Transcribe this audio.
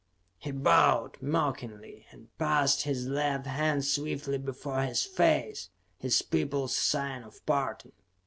He bowed, mockingly, and passed his left hand swiftly before his face, his people's sign of parting.